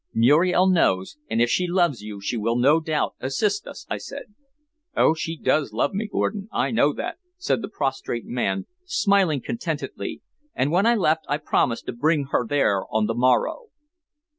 "Muriel knows, and if she loves you she will no doubt assist us," I said. "Oh, she does love me, Gordon, I know that," said the prostrate man, smiling contentedly, and when I left I promised to bring her there on the morrow.